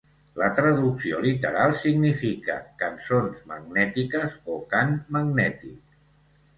La traducció literal significa "cançons magnètiques" o "cant magnètic".